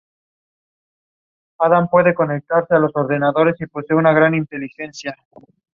Chief coordinator of the program is Kamal Chowdhury.